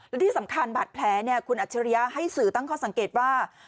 และที่สำคัญบาดแผลคุณอัจฉริยะให้สื่อตั้งข้อสังเกตว่า